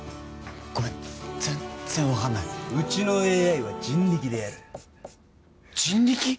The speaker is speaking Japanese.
ごめん全然分かんないうちのＡＩは人力でやる人力？